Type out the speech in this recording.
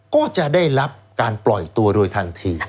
ก็จะได้รับการปล่อยตัวโดยทันที